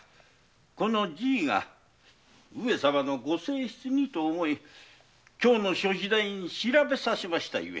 このじぃが上様のご正室にと思い京の所司代に調べさせましたゆえ。